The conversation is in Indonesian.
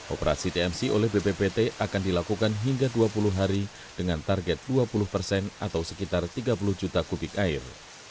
operasi tmc oleh bppt akan dilakukan hingga dua puluh hari dengan target dua puluh persen atau sekitar tiga puluh juta kubik air